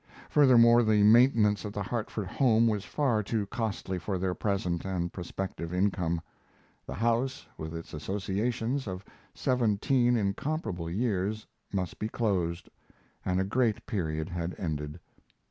Furthermore, the maintenance of the Hartford home was far too costly for their present and prospective income. The house with its associations of seventeen incomparable years must be closed. A great period had ended.